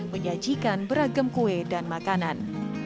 menyajikan beragam kue dan makanan